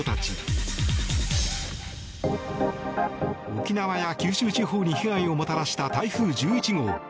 沖縄や九州地方に被害をもたらした台風１１号。